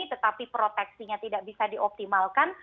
tetapi proteksinya tidak bisa dioptimalkan